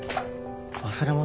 忘れ物？